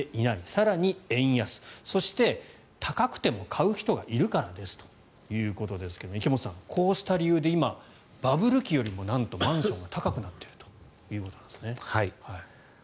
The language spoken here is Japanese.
更に、円安そして、高くても買う人がいるからですということですが池本さん、こうした理由で今、バブル期よりもなんとマンションが高くなっているということなんですね。